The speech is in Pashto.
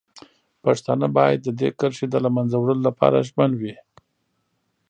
پښتانه باید د دې کرښې د له منځه وړلو لپاره ژمن وي.